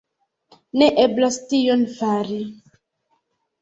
Ne eblas tion fari.